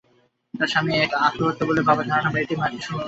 তাঁর স্বামী একে আত্মহত্যা বললেও বাবার ধারণা মেয়েটির মা-ই সন্তানকে খুন করেছেন।